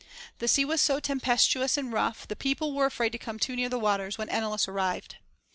The sea was so tempestuous and rough, the peo ple were afraid to come too near the waters, when Enalus arrived.